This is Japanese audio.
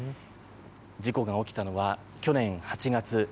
事故が起きたのは、去年８月。